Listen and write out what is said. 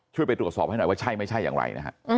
ไปตรวจสอบให้หน่อยว่าใช่ไม่ใช่อย่างไรนะฮะ